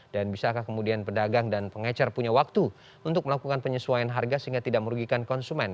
dan bisakah kemudian pedagang dan pengecar punya waktu untuk melakukan penyesuaian harga sehingga tidak merugikan konsumen